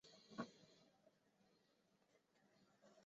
苍山香茶菜为唇形科香茶菜属下的一个种。